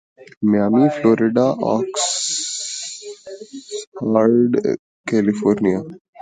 Miami Florida Oxnard California